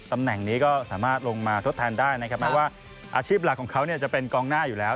ตำแหน่งนี้ก็สามารถลงมาทดแทนได้นะครับแม้ว่าอาชีพหลักของเขาเนี่ยจะเป็นกองหน้าอยู่แล้ว